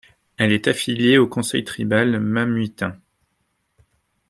Elle est affiliée au Conseil tribal Mamuitun.